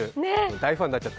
大ファンになっちゃった。